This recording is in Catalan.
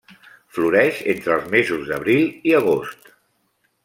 Floreix entre els mesos d'abril i agost.